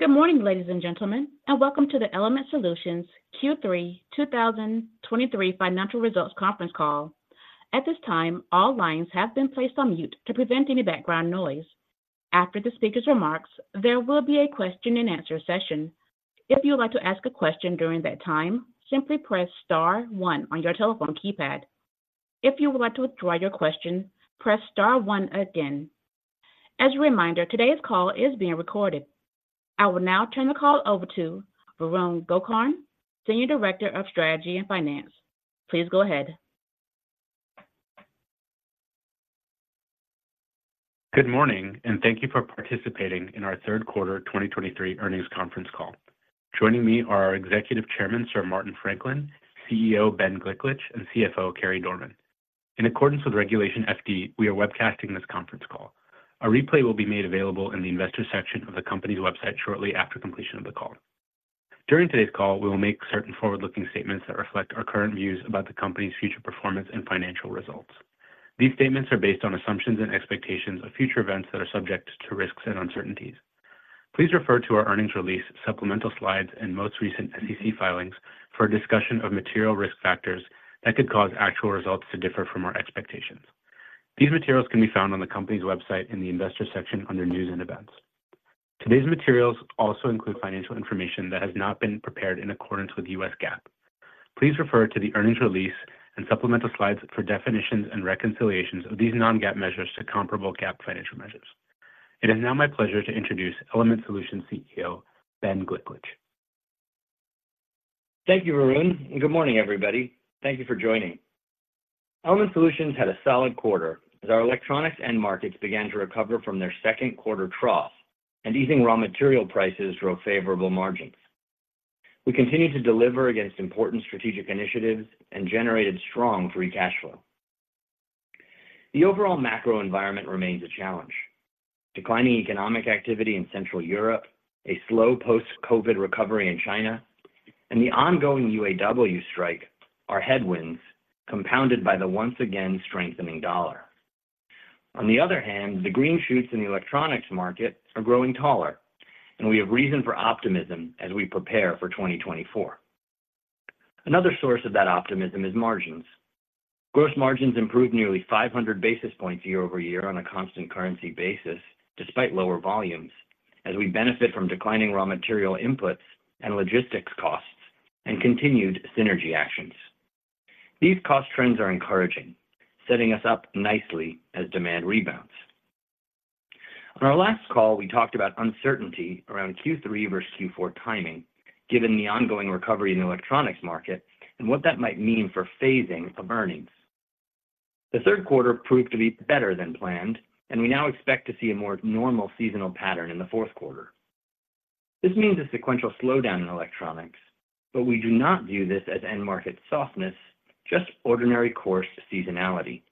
Good morning, ladies and gentlemen, and welcome to the Element Solutions Q3 2023 Financial Results Conference Call. At this time, all lines have been placed on mute to prevent any background noise. After the speaker's remarks, there will be a question and answer session. If you would like to ask a question during that time, simply press star one on your telephone keypad. If you would like to withdraw your question, press star one again. As a reminder, today's call is being recorded. I will now turn the call over to Varun Gokarn, Senior Director of Strategy and Finance. Please go ahead. Good morning, and thank you for participating in our third quarter 2023 earnings conference call. Joining me are our Executive Chairman, Sir Martin Franklin, CEO Ben Gliklich, and CFO Carey Dorman. In accordance with Regulation FD, we are webcasting this conference call. A replay will be made available in the investor section of the company's website shortly after completion of the call. During today's call, we will make certain forward-looking statements that reflect our current views about the company's future performance and financial results. These statements are based on assumptions and expectations of future events that are subject to risks and uncertainties. Please refer to our earnings release, supplemental slides, and most recent SEC filings for a discussion of material risk factors that could cause actual results to differ from our expectations. These materials can be found on the company's website in the Investors section under News & Events. Today's materials also include financial information that has not been prepared in accordance with the U.S. GAAP. Please refer to the earnings release and supplemental slides for definitions and reconciliations of these non-GAAP measures to comparable GAAP financial measures. It is now my pleasure to introduce Element Solutions CEO, Ben Gliklich. Thank you, Varun, and good morning, everybody. Thank you for joining. Element Solutions had a solid quarter as our electronics end markets began to recover from their second quarter trough, and easing raw material prices drove favorable margins. We continued to deliver against important strategic initiatives and generated strong free cash flow. The overall macro environment remains a challenge. Declining economic activity in Central Europe, a slow post-COVID recovery in China, and the ongoing UAW strike are headwinds, compounded by the once again strengthening U.S. dollar. On the other hand, the green shoots in the electronics market are growing taller, and we have reason for optimism as we prepare for 2024. Another source of that optimism is margins. Gross margins improved nearly 500 basis points year-over-year on a constant currency basis, despite lower volumes, as we benefit from declining raw material inputs and logistics costs and continued synergy actions. These cost trends are encouraging, setting us up nicely as demand rebounds. On our last call, we talked about uncertainty around Q3 versus Q4 timing, given the ongoing recovery in the electronics market and what that might mean for phasing of earnings. The third quarter proved to be better than planned, and we now expect to see a more normal seasonal pattern in the fourth quarter. This means a sequential slowdown in electronics, but we do not view this as end market softness, just ordinary course seasonality.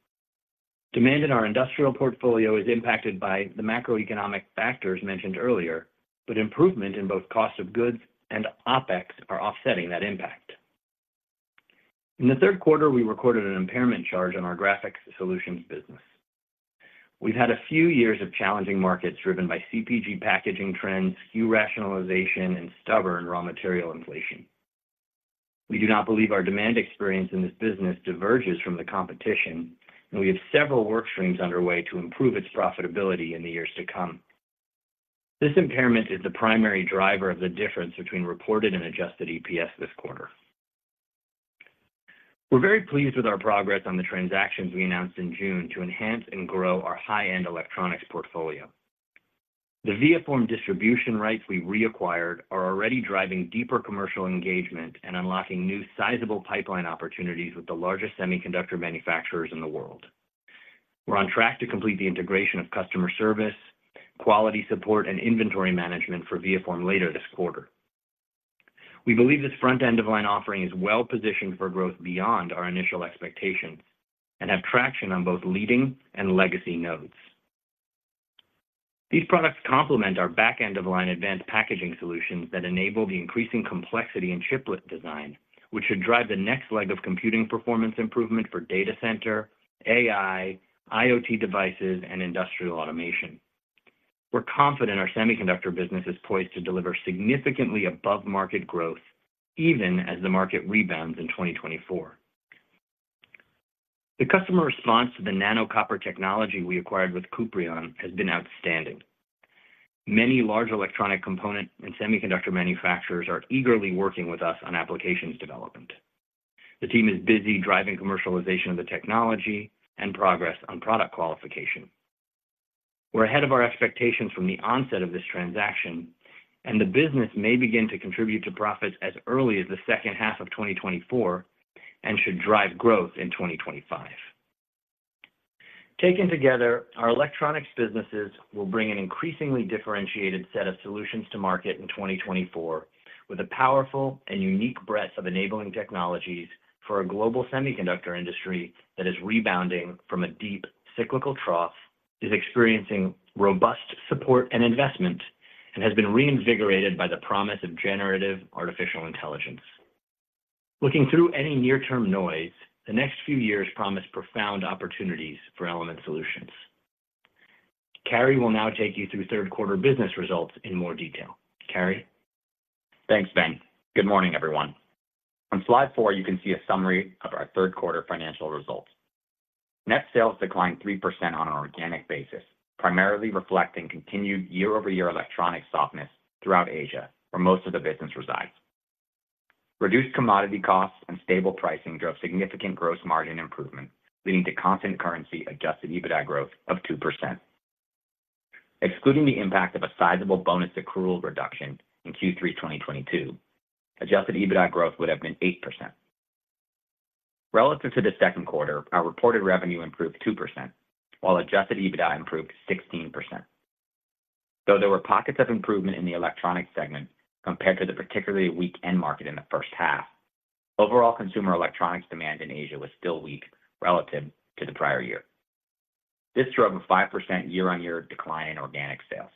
Demand in our industrial portfolio is impacted by the macroeconomic factors mentioned earlier, but improvement in both cost of goods and OpEx are offsetting that impact. In the third quarter, we recorded an impairment charge on our Graphics Solutions business. We've had a few years of challenging markets driven by CPG packaging trends, SKU rationalization, and stubborn raw material inflation. We do not believe our demand experience in this business diverges from the competition, and we have several work streams underway to improve its profitability in the years to come. This impairment is the primary driver of the difference between reported and adjusted EPS this quarter. We're very pleased with our progress on the transactions we announced in June to enhance and grow our high-end electronics portfolio. The ViaForm distribution rights we reacquired are already driving deeper commercial engagement and unlocking new sizable pipeline opportunities with the largest semiconductor manufacturers in the world. We're on track to complete the integration of customer service, quality support, and inventory management for ViaForm later this quarter. We believe this Front-End of Line offering is well positioned for growth beyond our initial expectations and have traction on both leading and legacy nodes. These products complement our Back-End of Line Advanced Packaging solutions that enable the increasing complexity in Chiplet design, which should drive the next leg of computing performance improvement for data center, AI, IoT devices, and industrial automation. We're confident our semiconductor business is poised to deliver significantly above-market growth even as the market rebounds in 2024. The customer response to the nano copper technology we acquired with Kuprion has been outstanding. Many large electronic component and semiconductor manufacturers are eagerly working with us on applications development. The team is busy driving commercialization of the technology and progress on product qualification. We're ahead of our expectations from the onset of this transaction, and the business may begin to contribute to profits as early as the second half of 2024 and should drive growth in 2025. Taken together, our electronics businesses will bring an increasingly differentiated set of solutions to market in 2024, with a powerful and unique breadth of enabling technologies for a global semiconductor industry that is rebounding from a deep cyclical trough, is experiencing robust support and investment, and has been reinvigorated by the promise of generative artificial intelligence... Looking through any near-term noise, the next few years promise profound opportunities for Element Solutions. Carey will now take you through third quarter business results in more detail. Carey? Thanks, Ben. Good morning, everyone. On slide four, you can see a summary of our third quarter financial results. Net sales declined 3% on an organic basis, primarily reflecting continued year-over-year electronic softness throughout Asia, where most of the business resides. Reduced commodity costs and stable pricing drove significant gross margin improvement, leading to constant currency adjusted EBITDA growth of 2%. Excluding the impact of a sizable bonus accrual reduction in Q3 2022, adjusted EBITDA growth would have been 8%. Relative to the second quarter, our reported revenue improved 2%, while adjusted EBITDA improved 16%. Though there were pockets of improvement in the electronics segment compared to the particularly weak end market in the first half, overall consumer electronics demand in Asia was still weak relative to the prior year. This drove a 5% year-on-year decline in organic sales.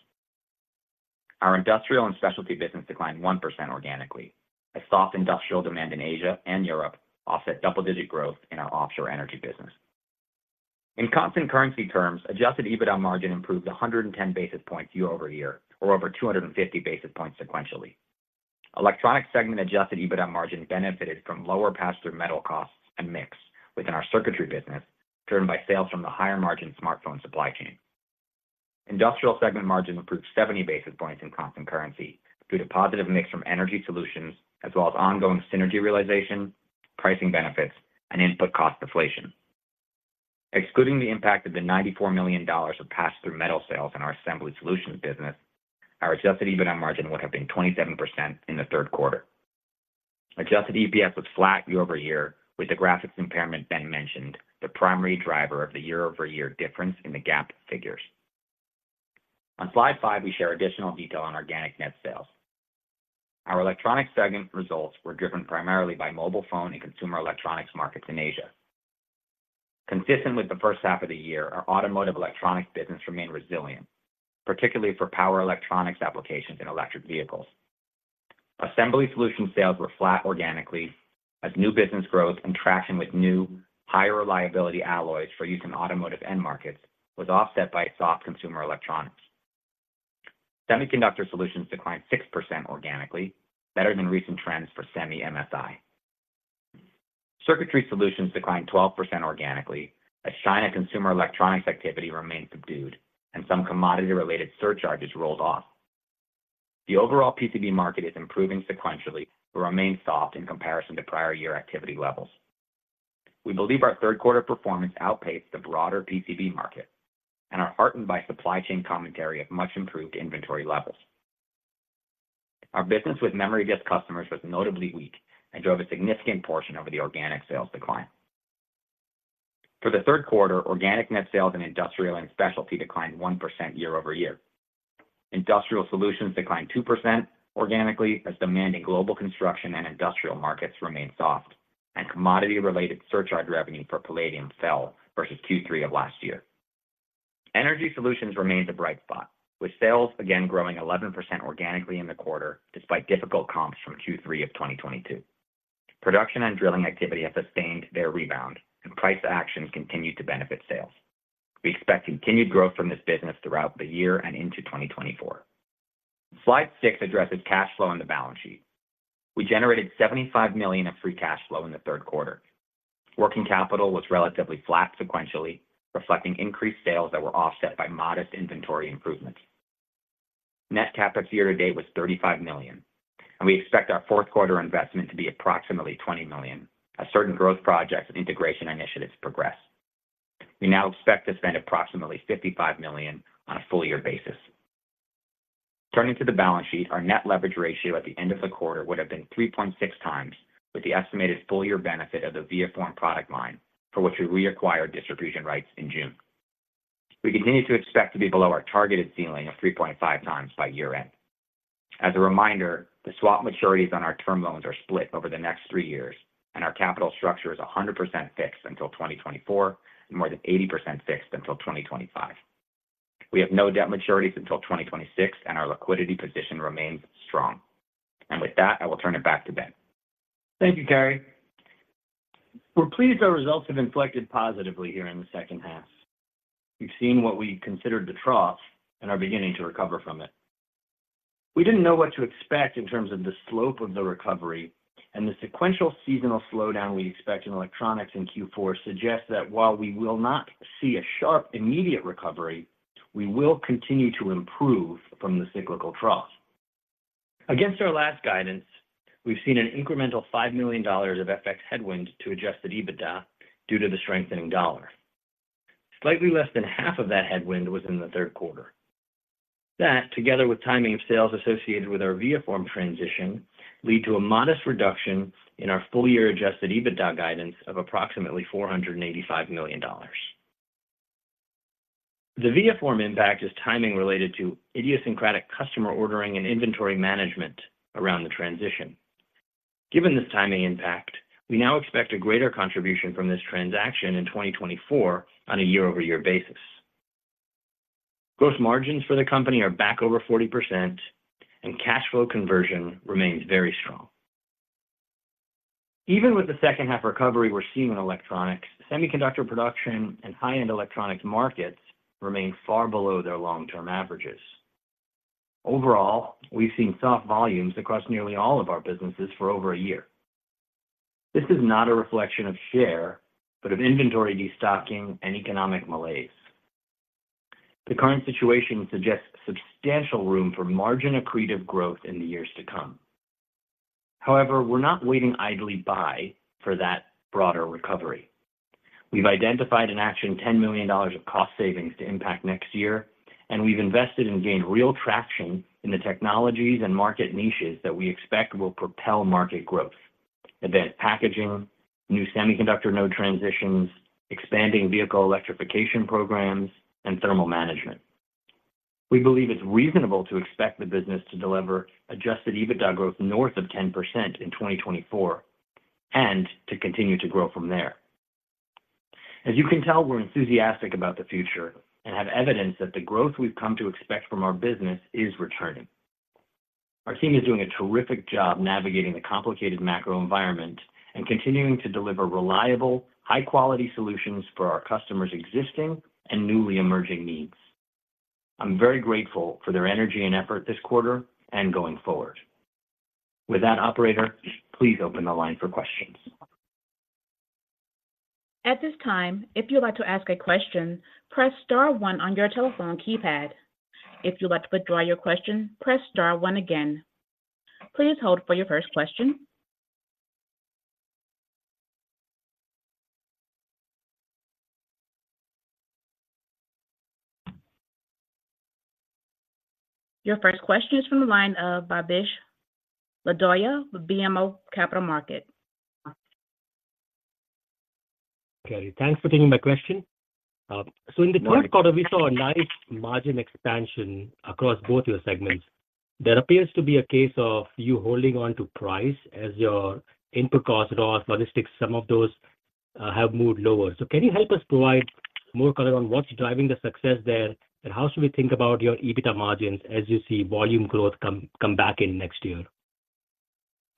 Our Industrial and Specialty business declined 1% organically, as soft industrial demand in Asia and Europe offset double-digit growth in our offshore energy business. In constant currency terms, adjusted EBITDA margin improved 110 basis points year-over-year, or over 250 basis points sequentially. Electronics segment adjusted EBITDA margin benefited from lower pass-through metal costs and mix within our circuitry business, driven by sales from the higher margin smartphone supply chain. Industrial segment margin improved 70 basis points in constant currency, due to positive mix from Energy Solutions, as well as ongoing synergy realization, pricing benefits, and input cost deflation. Excluding the impact of the $94 million of pass-through metal sales in our Assembly Solutions business, our adjusted EBITDA margin would have been 27% in the third quarter. Adjusted EPS was flat year-over-year, with the graphics impairment Ben mentioned, the primary driver of the year-over-year difference in the GAAP figures. On Slide five, we share additional detail on organic net sales. Our Electronics segment results were driven primarily by mobile phone and consumer electronics markets in Asia. Consistent with the first half of the year, our automotive electronics business remained resilient, particularly for power electronics applications in electric vehicles. Assembly Solutions sales were flat organically, as new business growth and traction with new, higher reliability alloys for use in automotive end markets was offset by soft consumer electronics. Semiconductor Solutions declined 6% organically, better than recent trends for SEMI MSI. Circuitry Solutions declined 12% organically, as China consumer electronics activity remained subdued and some commodity-related surcharges rolled off. The overall PCB market is improving sequentially, but remains soft in comparison to prior year activity levels. We believe our third quarter performance outpaced the broader PCB market and are heartened by supply chain commentary of much improved inventory levels. Our business with memory disk customers was notably weak and drove a significant portion of the organic sales decline. For the third quarter, organic net sales in industrial and specialty declined 1% year-over-year. Industrial Solutions declined 2% organically, as demand in global construction and industrial markets remained soft, and commodity-related surcharge revenue for palladium fell versus Q3 of last year. Energy Solutions remains a bright spot, with sales again growing 11% organically in the quarter, despite difficult comps from Q3 of 2022. Production and drilling activity have sustained their rebound, and price actions continued to benefit sales. We expect continued growth from this business throughout the year and into 2024. Slide six addresses cash flow on the balance sheet. We generated $75 million of free cash flow in the third quarter. Working capital was relatively flat sequentially, reflecting increased sales that were offset by modest inventory improvements. Net CapEx year-to-date was $35 million, and we expect our fourth quarter investment to be approximately $20 million, as certain growth projects and integration initiatives progress. We now expect to spend approximately $55 million on a full-year basis. Turning to the balance sheet, our net leverage ratio at the end of the quarter would have been 3.6x, with the estimated full-year benefit of the ViaForm product line, for which we reacquired distribution rights in June. We continue to expect to be below our targeted ceiling of 3.5x by year-end. As a reminder, the swap maturities on our term loans are split over the next three years, and our capital structure is 100% fixed until 2024, and more than 80% fixed until 2025. We have no debt maturities until 2026, and our liquidity position remains strong. With that, I will turn it back to Ben. Thank you, Carey. We're pleased our results have inflected positively here in the second half. We've seen what we considered the trough and are beginning to recover from it. We didn't know what to expect in terms of the slope of the recovery, and the sequential seasonal slowdown we expect in electronics in Q4 suggests that while we will not see a sharp, immediate recovery, we will continue to improve from the cyclical trough. Against our last guidance, we've seen an incremental $5 million of FX headwind to Adjusted EBITDA due to the strengthening dollar. Slightly less than half of that headwind was in the third quarter. That, together with timing of sales associated with our ViaForm transition, lead to a modest reduction in our full-year Adjusted EBITDA guidance of approximately $485 million. The ViaForm impact is timing related to idiosyncratic customer ordering and inventory management around the transition. Given this timing impact, we now expect a greater contribution from this transaction in 2024 on a year-over-year basis. Gross margins for the company are back over 40%, and cash flow conversion remains very strong. Even with the second-half recovery we're seeing in electronics, semiconductor production and high-end electronics markets remain far below their long-term averages. Overall, we've seen soft volumes across nearly all of our businesses for over a year. This is not a reflection of share, but of inventory destocking and economic malaise. The current situation suggests substantial room for margin accretive growth in the years to come. However, we're not waiting idly by for that broader recovery. We've identified and actioned $10 million of cost savings to impact next year, and we've invested and gained real traction in the technologies and market niches that we expect will propel market growth: Advanced Packaging, new semiconductor node transitions, expanding vehicle electrification programs, and thermal management. We believe it's reasonable to expect the business to deliver Adjusted EBITDA growth north of 10% in 2024, and to continue to grow from there. As you can tell, we're enthusiastic about the future and have evidence that the growth we've come to expect from our business is returning. Our team is doing a terrific job navigating the complicated macro environment and continuing to deliver reliable, high-quality solutions for our customers' existing and newly emerging needs. I'm very grateful for their energy and effort this quarter and going forward. With that, operator, please open the line for questions. At this time, if you'd like to ask a question, press star one on your telephone keypad. If you'd like to withdraw your question, press star one again. Please hold for your first question. Your first question is from the line of Bhavesh Lodaya with BMO Capital Markets. Okay, thanks for taking my question. So in the third quarter, we saw a nice margin expansion across both your segments. There appears to be a case of you holding on to price as your input costs or logistics, some of those, have moved lower. So can you help us provide more color on what's driving the success there, and how should we think about your EBITDA margins as you see volume growth come back in next year?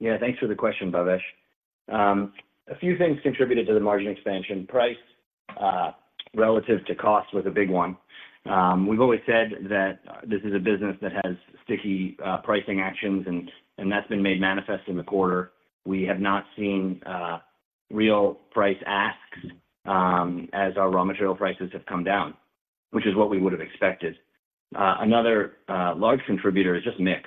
Yeah, thanks for the question, Bhavesh. A few things contributed to the margin expansion. Price relative to cost was a big one. We've always said that this is a business that has sticky pricing actions, and that's been made manifest in the quarter. We have not seen real price asks as our raw material prices have come down, which is what we would have expected. Another large contributor is just mix.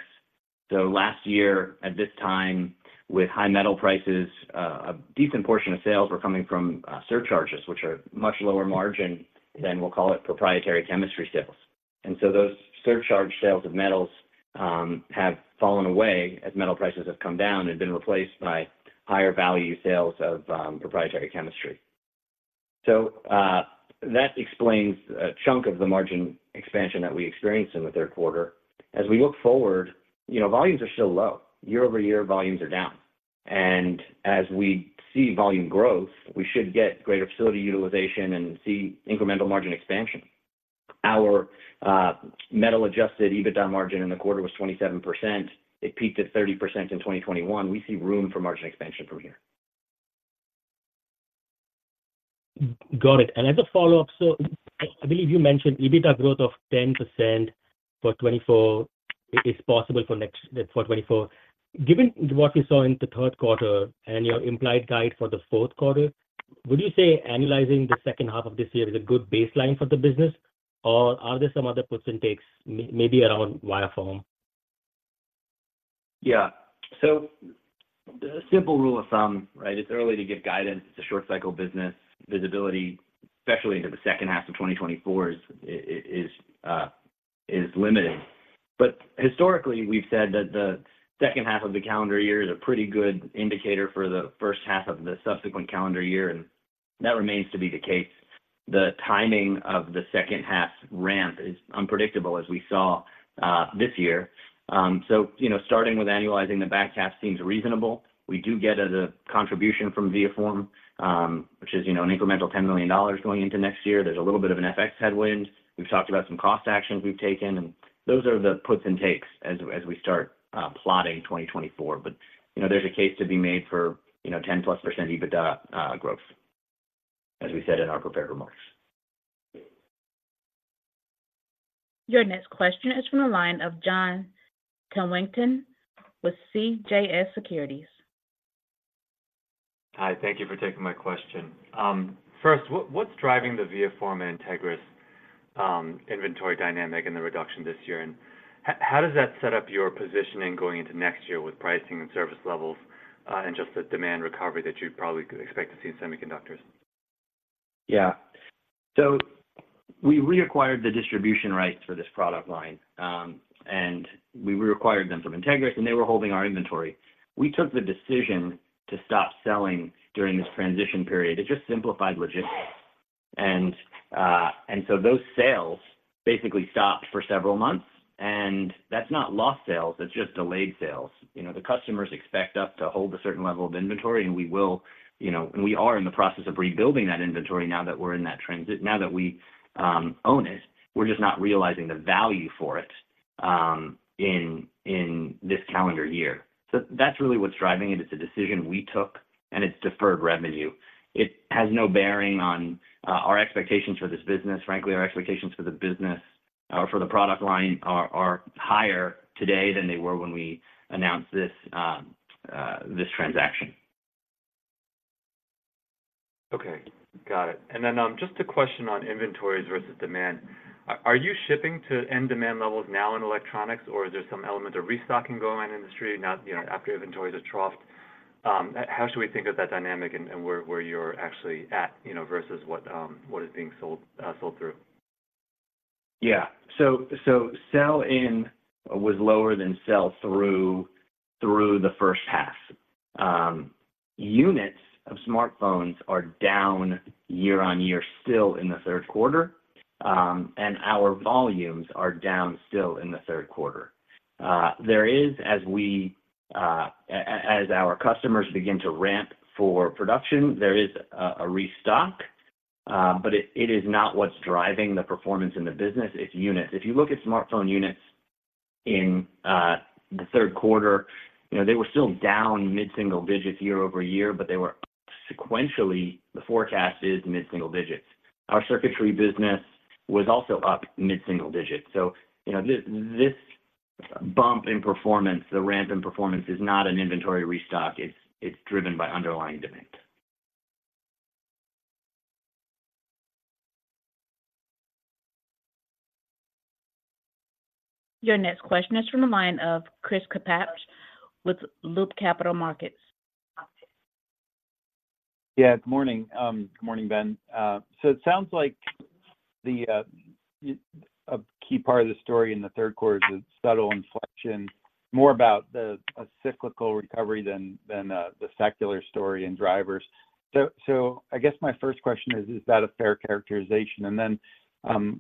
So last year, at this time, with high metal prices, a decent portion of sales were coming from surcharges, which are much lower margin than we'll call it, proprietary chemistry sales. And so those surcharge sales of metals have fallen away as metal prices have come down and been replaced by higher value sales of proprietary chemistry. So, that explains a chunk of the margin expansion that we experienced in the third quarter. As we look forward, you know, volumes are still low. Year-over-year volumes are down. And as we see volume growth, we should get greater facility utilization and see incremental margin expansion. Our, metal-adjusted EBITDA margin in the quarter was 27%. It peaked at 30% in 2021. We see room for margin expansion from here. Got it. And as a follow-up, so I believe you mentioned EBITDA growth of 10% for 2024 is possible for 2024. Given what you saw in the third quarter and your implied guide for the fourth quarter, would you say annualizing the second half of this year is a good baseline for the business, or are there some other puts and takes, maybe around ViaForm? Yeah. So the simple rule of thumb, right? It's early to give guidance. It's a short cycle business. Visibility, especially into the second half of 2024, is limited. But historically, we've said that the second half of the calendar year is a pretty good indicator for the first half of the subsequent calendar year, and that remains to be the case. The timing of the second-half ramp is unpredictable, as we saw this year. So, you know, starting with annualizing the back half seems reasonable. We do get a contribution from ViaForm, which is, you know, an incremental $10 million going into next year. There's a little bit of an FX headwind. We've talked about some cost actions we've taken, and those are the puts and takes as we start plotting 2024. But, you know, there's a case to be made for, you know, 10%+ EBITDA growth, as we said in our prepared remarks. Your next question is from the line of John Tanwanteng with CJS Securities. Hi, thank you for taking my question. First, what's driving the ViaForm and Entegris inventory dynamic and the reduction this year? And how does that set up your positioning going into next year with pricing and service levels, and just the demand recovery that you'd probably could expect to see in semiconductors? Yeah. So we reacquired the distribution rights for this product line, and we reacquired them from Entegris, and they were holding our inventory. We took the decision to stop selling during this transition period. It just simplified logistics. And so those sales basically stopped for several months, and that's not lost sales, that's just delayed sales. You know, the customers expect us to hold a certain level of inventory, and we will, you know. And we are in the process of rebuilding that inventory now that we own it. We're just not realizing the value for it in this calendar year. So that's really what's driving it. It's a decision we took, and it's deferred revenue. It has no bearing on our expectations for this business. Frankly, our expectations for the business, for the product line are higher today than they were when we announced this transaction. Okay, got it. And then, just a question on inventories versus demand. Are you shipping to end demand levels now in electronics, or is there some element of restocking going on in the industry, now, you know, after inventories have troughed? How should we think of that dynamic and where you're actually at, you know, versus what is being sold through? Yeah. So, sell-in was lower than sell-through through the first half. Units of smartphones are down year-over-year, still in the third quarter, and our volumes are down still in the third quarter. There is, as our customers begin to ramp for production, there is a restock, but it is not what's driving the performance in the business. It's units. If you look at smartphone units in the third quarter, you know, they were still down mid-single digits year-over-year, but they were up sequentially, the forecast is mid-single digits. Our circuitry business was also up mid-single digits. So, you know, this bump in performance, the ramp in performance, is not an inventory restock. It's driven by underlying demand. Your next question is from the line of Chris Kapsch with Loop Capital Markets. Yeah, good morning. Good morning, Ben. So it sounds like a key part of the story in the third quarter is a subtle inflection, more about a cyclical recovery than the secular story and drivers. So I guess my first question is, is that a fair characterization? And then,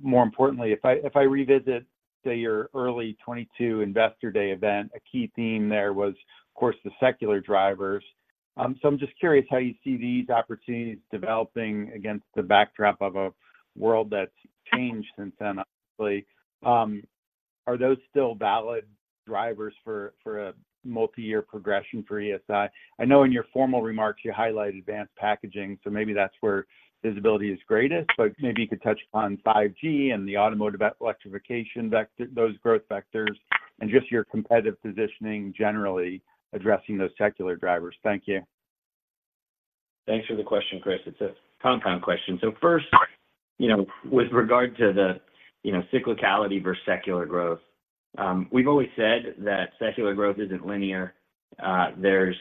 more importantly, if I revisit, say, your early 2022 Investor Day event, a key theme there was, of course, the secular drivers. So I'm just curious how you see these opportunities developing against the backdrop of a world that's changed since then, obviously. Are those still valid drivers for a multi-year progression for ESI? I know in your formal remarks, you highlighted advanced packaging, so maybe that's where visibility is greatest, but maybe you could touch on 5G and the automotive electrification vector, those growth vectors, and just your competitive positioning, generally addressing those secular drivers. Thank you. Thanks for the question, Chris. It's a compound question. So first, you know, with regard to the, you know, cyclicality versus secular growth, we've always said that secular growth isn't linear. There's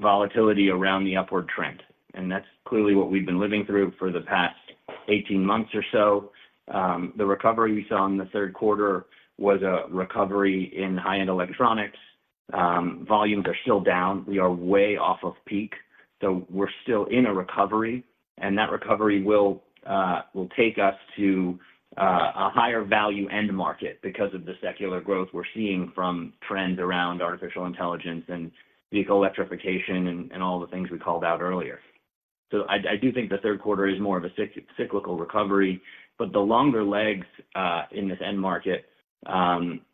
volatility around the upward trend, and that's clearly what we've been living through for the past 18 months or so. The recovery we saw in the third quarter was a recovery in high-end electronics. Volumes are still down. We are way off of peak, so we're still in a recovery, and that recovery will take us to a higher value end market because of the secular growth we're seeing from trends around artificial intelligence and vehicle electrification and, and all the things we called out earlier. So I do think the third quarter is more of a cyclical recovery, but the longer legs in this end market,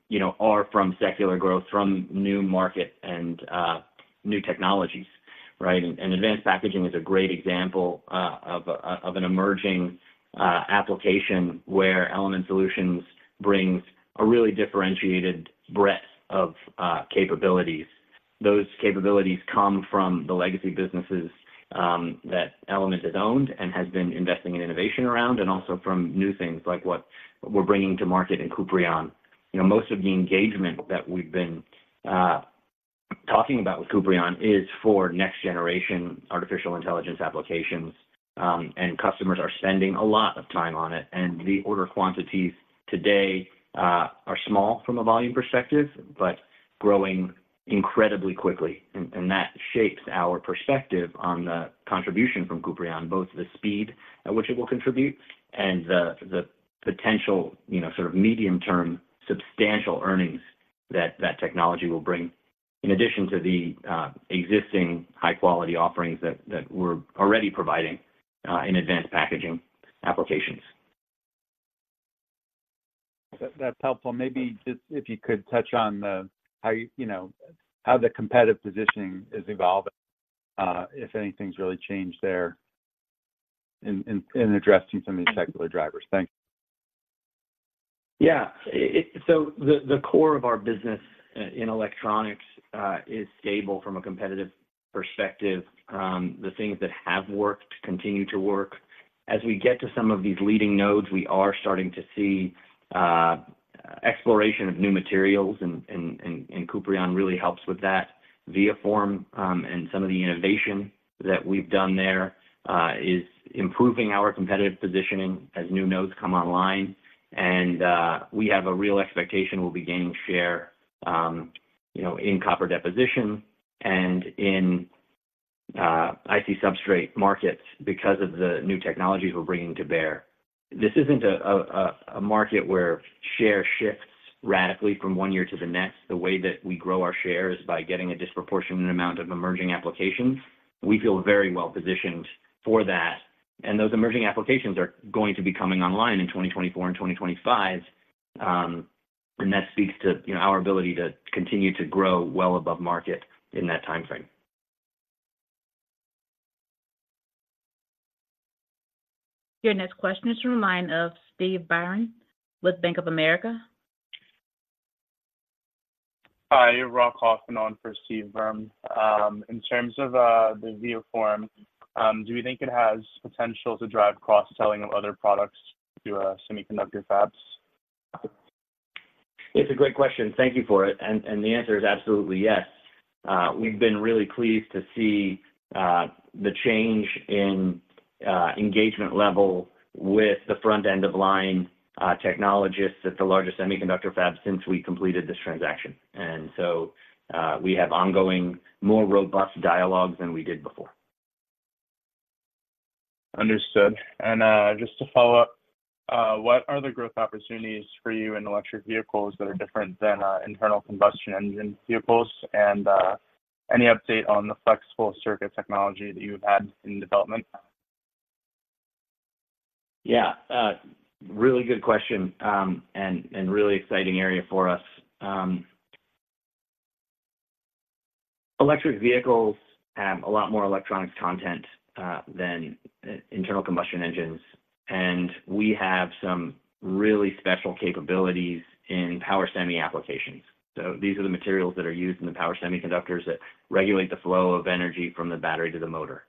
you know, are from secular growth, from new market and new technologies, right? And Advanced Packaging is a great example of an emerging application where Element Solutions brings a really differentiated breadth of capabilities. Those capabilities come from the legacy businesses that Element has owned and has been investing in innovation around, and also from new things, like what we're bringing to market in Kuprion. You know, most of the engagement that we've been talking about with Kuprion is for next-generation artificial intelligence applications, and customers are spending a lot of time on it, and the order quantities today are small from a volume perspective, but growing incredibly quickly. And that shapes our perspective on the contribution from Kuprion, both the speed at which it will contribute and the potential, you know, sort of medium-term, substantial earnings that that technology will bring, in addition to the existing high-quality offerings that we're already providing in Advanced Packaging applications. That's helpful. Maybe just if you could touch on the, how you, you know, how the competitive positioning is evolving, if anything's really changed there in addressing some of these secular drivers. Thank you. Yeah. So the core of our business in electronics is stable from a competitive perspective. The things that have worked continue to work. As we get to some of these leading nodes, we are starting to see exploration of new materials, and Kuprion really helps with that. ViaForm, and some of the innovation that we've done there, is improving our competitive positioning as new nodes come online, and we have a real expectation we'll be gaining share, you know, in copper deposition and in IC Substrate markets because of the new technologies we're bringing to bear. This isn't a market where share shifts radically from one year to the next. The way that we grow our share is by getting a disproportionate amount of emerging applications. We feel very well positioned for that. Those emerging applications are going to be coming online in 2024 and 2025, and that speaks to, you know, our ability to continue to grow well above market in that time frame. Your next question is from the line of Steve Byrne with Bank of America. Hi, Rob Hoffman on for Steve Byrne. In terms of the ViaForm, do you think it has potential to drive cross-selling of other products through semiconductor fabs? It's a great question. Thank you for it, and the answer is absolutely yes. We've been really pleased to see the change in engagement level with the front-end of line technologists at the largest semiconductor fab since we completed this transaction. And so, we have ongoing, more robust dialogues than we did before. Understood. And, just to follow up, what are the growth opportunities for you in electric vehicles that are different than internal combustion engine vehicles? And, any update on the flexible circuit technology that you've had in development? Yeah, really good question, and really exciting area for us. Electric vehicles have a lot more electronics content than internal combustion engines, and we have some really special capabilities in power semi applications. So these are the materials that are used in the power semiconductors that regulate the flow of energy from the battery to the motor.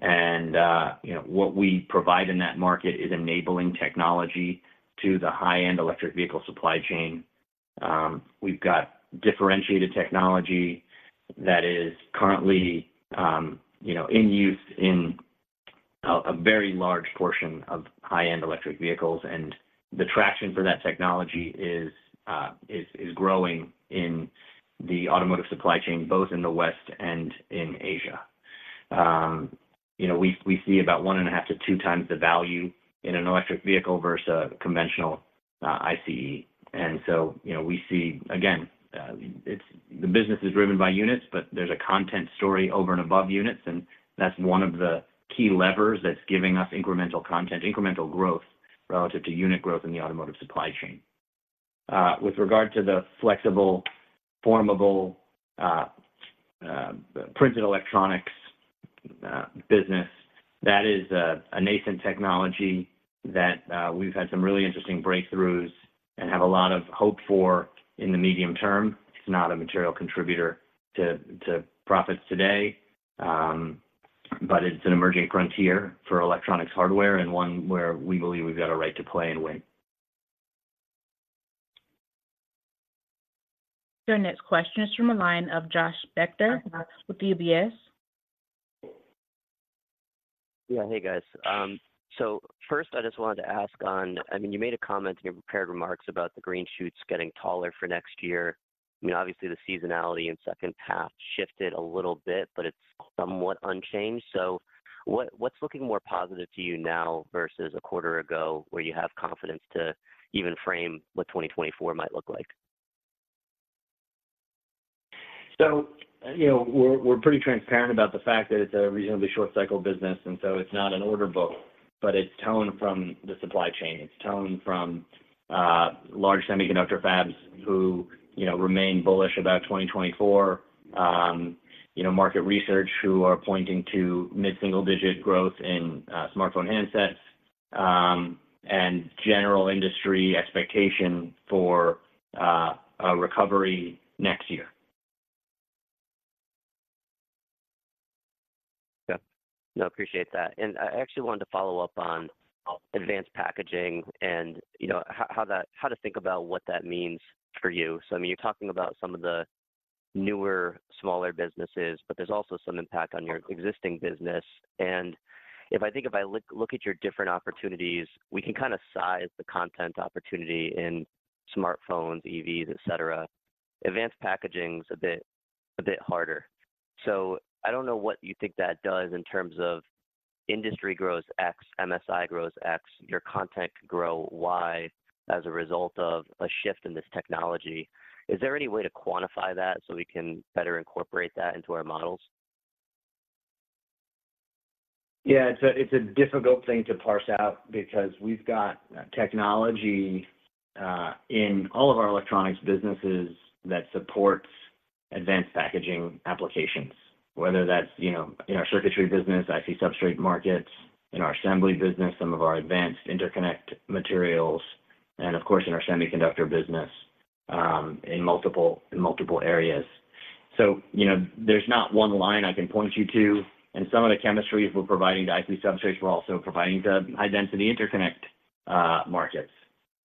And, you know, what we provide in that market is enabling technology to the high-end electric vehicle supply chain. We've got differentiated technology that is currently, you know, in use in a very large portion of high-end electric vehicles, and the traction for that technology is growing in the automotive supply chain, both in the West and in Asia. You know, we see about 1.5x-2x the value in an electric vehicle versus a conventional ICE. And so, you know, we see, again, it's the business is driven by units, but there's a content story over and above units, and that's one of the key levers that's giving us incremental content, incremental growth, relative to unit growth in the automotive supply chain. With regard to the flexible, formable printed electronics business, that is a nascent technology that we've had some really interesting breakthroughs and have a lot of hope for in the medium term. It's not a material contributor to profits today, but it's an emerging frontier for electronics hardware and one where we believe we've got a right to play and win. Your next question is from the line of Josh Spector with UBS. Yeah. Hey, guys. So first, I just wanted to ask on- I mean, you made a comment in your prepared remarks about the green shoots getting taller for next year. I mean, obviously, the seasonality in second half shifted a little bit, but it's somewhat unchanged. So what, what's looking more positive to you now versus a quarter ago, where you have confidence to even frame what 2024 might look like? So, you know, we're pretty transparent about the fact that it's a reasonably short cycle business, and so it's not an order book, but it's tone from the supply chain. It's tone from large semiconductor fabs who, you know, remain bullish about 2024. You know, market research who are pointing to mid-single-digit growth in smartphone handsets, and general industry expectation for a recovery next year. Yeah. No, appreciate that. And I actually wanted to follow up on Advanced Packaging and, you know, how that, how to think about what that means for you. So, I mean, you're talking about some of the newer, smaller businesses, but there's also some impact on your existing business. And if I think, if I look at your different opportunities, we can kind of size the content opportunity in smartphones, EVs, et cetera. Advanced Packaging's a bit harder. So I don't know what you think that does in terms of industry grows X, MSI grows X, your content could grow Y as a result of a shift in this technology. Is there any way to quantify that so we can better incorporate that into our models? Yeah, it's a difficult thing to parse out because we've got technology in all of our electronics businesses that supports Advanced Packaging applications, whether that's, you know, in our circuitry business, IC Substrate markets, in our assembly business, some of our advanced interconnect materials, and of course, in our semiconductor business, in multiple areas. So, you know, there's not one line I can point you to. And some of the chemistries we're providing to IC Substrates, we're also providing to High-Density Interconnect markets.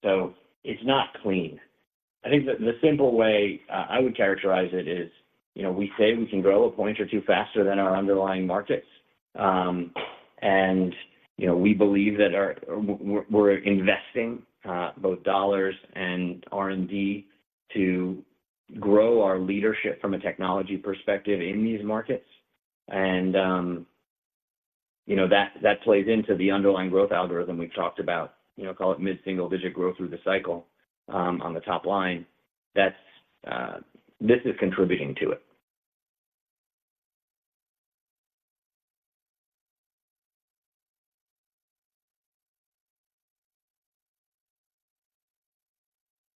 So it's not clean. I think the simple way I would characterize it is, you know, we say we can grow a point or two faster than our underlying markets. And, you know, we believe that our... We're investing both dollars and R&D to grow our leadership from a technology perspective in these markets. You know, that, that plays into the underlying growth algorithm we've talked about, you know, call it mid-single-digit growth through the cycle, on the top line. That's, this is contributing to it.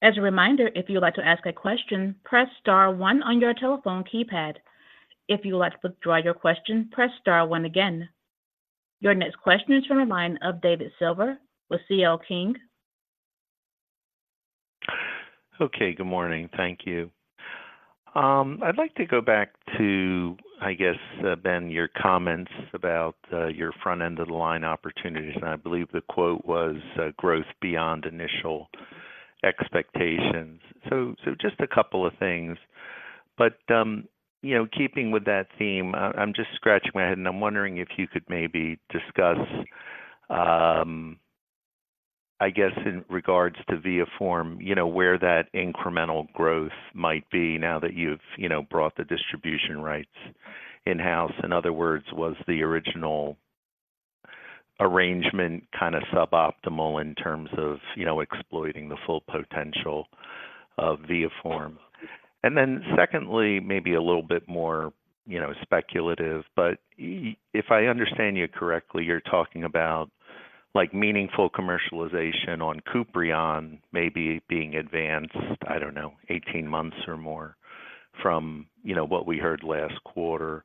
...As a reminder, if you would like to ask a question, press star one on your telephone keypad. If you would like to withdraw your question, press star one again. Your next question is from the line of David Silver with CL King. Okay, good morning. Thank you. I'd like to go back to, I guess, Ben, your comments about your front end of the line opportunities, and I believe the quote was, "Growth beyond initial expectations." So, just a couple of things, but, you know, keeping with that theme, I, I'm just scratching my head, and I'm wondering if you could maybe discuss, I guess, in regards to ViaForm, you know, where that incremental growth might be now that you've, you know, brought the distribution rights in-house. In other words, was the original arrangement kind of suboptimal in terms of, you know, exploiting the full potential of ViaForm? And then secondly, maybe a little bit more, you know, speculative, but if I understand you correctly, you're talking about, like, meaningful commercialization on Kuprion maybe being advanced, I don't know, 18 months or more from, you know, what we heard last quarter.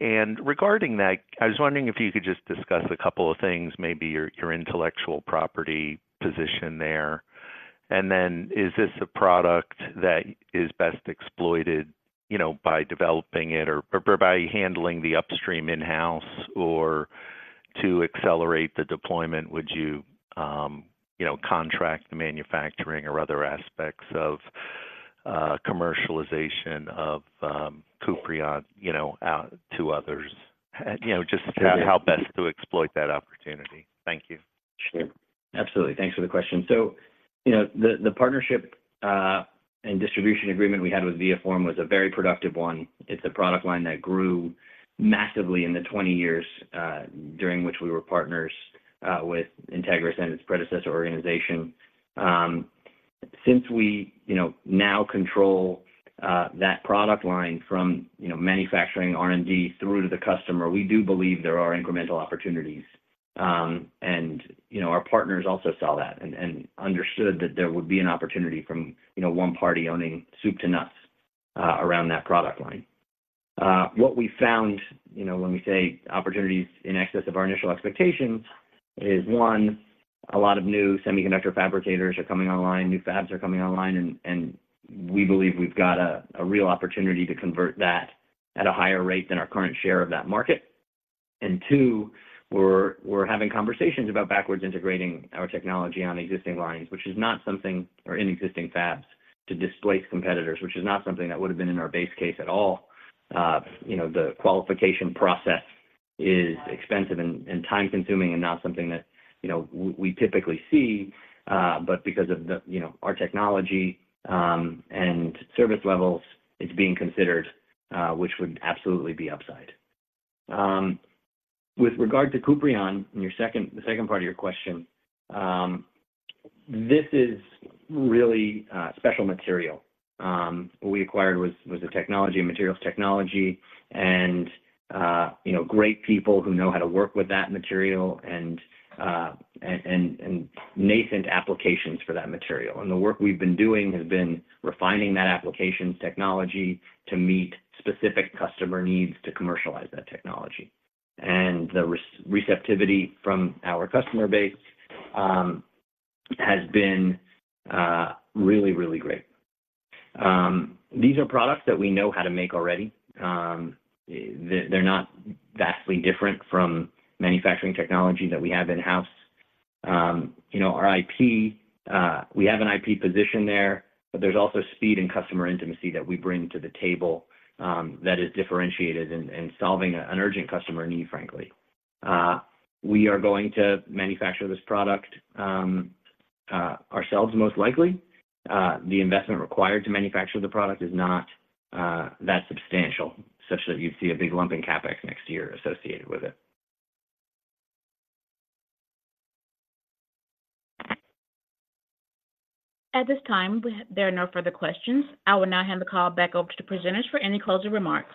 And regarding that, I was wondering if you could just discuss a couple of things, maybe your, your intellectual property position there. And then, is this a product that is best exploited, you know, by developing it or, or by handling the upstream in-house? Or to accelerate the deployment, would you, you know, contract the manufacturing or other aspects of, commercialization of, Kuprion, you know, out to others? You know, just how best to exploit that opportunity. Thank you. Sure. Absolutely. Thanks for the question. So, you know, the partnership and distribution agreement we had with ViaForm was a very productive one. It's a product line that grew massively in the 20 years during which we were partners with Entegris and its predecessor organization. Since we, you know, now control that product line from, you know, manufacturing, R&D, through to the customer, we do believe there are incremental opportunities. And, you know, our partners also saw that and understood that there would be an opportunity from, you know, one party owning soup to nuts around that product line. What we found, you know, when we say opportunities in excess of our initial expectations, is one, a lot of new semiconductor fabricators are coming online, new fabs are coming online, and we believe we've got a real opportunity to convert that at a higher rate than our current share of that market. And two, we're having conversations about backwards integrating our technology on existing lines, which is not something or in existing fabs to displace competitors, which is not something that would have been in our base case at all. You know, the qualification process is expensive and time-consuming and not something that, you know, we typically see, but because of the, you know, our technology and service levels, it's being considered, which would absolutely be upside. With regard to Kuprion, in the second part of your question, this is really special material. What we acquired was a technology, a materials technology, and you know, great people who know how to work with that material, and nascent applications for that material. And the work we've been doing has been refining that application technology to meet specific customer needs to commercialize that technology. And the receptivity from our customer base has been really, really great. These are products that we know how to make already. They're not vastly different from manufacturing technology that we have in-house. You know, our IP, we have an IP position there, but there's also speed and customer intimacy that we bring to the table, that is differentiated in solving an urgent customer need, frankly. We are going to manufacture this product ourselves, most likely. The investment required to manufacture the product is not that substantial, such that you'd see a big lump in CapEx next year associated with it. At this time, there are no further questions. I will now hand the call back over to the presenters for any closing remarks.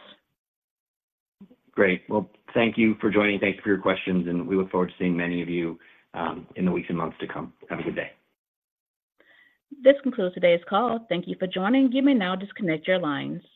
Great. Well, thank you for joining. Thanks for your questions, and we look forward to seeing many of you in the weeks and months to come. Have a good day. This concludes today's call. Thank you for joining. You may now disconnect your lines.